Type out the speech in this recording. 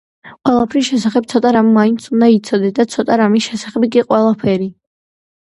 „ყველაფრის შესახებ ცოტა რამ მაინც უნდა იცოდე და ცოტა რამის შესახებ კი – ყველაფერი.”